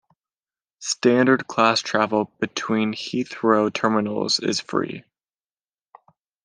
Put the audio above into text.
Standard class travel between Heathrow terminals is free.